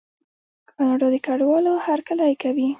کاناډا د کډوالو هرکلی کوي.